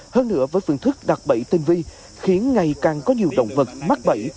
hơn nữa với phương thức đặt bẫy tinh vi khiến ngày càng có nhiều động vật mắc bẫy